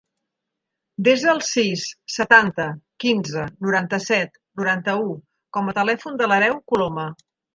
Desa el sis, setanta, quinze, noranta-set, noranta-u com a telèfon de l'Àreu Colome.